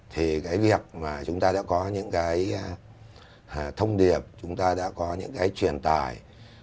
thì cái việc mà chúng ta đã có những cái thông điệp chúng ta đã có những cái truyền tải